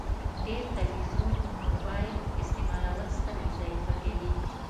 ډير تلويزون مبايل استعمالول سترګي ضعیفه کوی